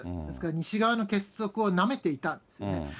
ですから西側の結束をなめていたんですね。